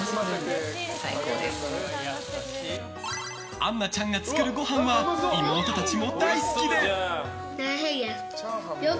杏菜ちゃんが作るごはんは妹たちも大好きで。